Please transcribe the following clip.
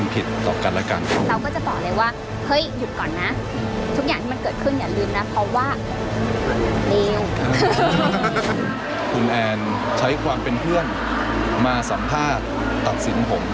เพราะว่าเลวคุณแอนใช้ความเป็นเพื่อนมาสัมภาษณ์ตัดสินผม